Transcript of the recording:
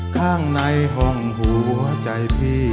ข้างในห่องหัวใจ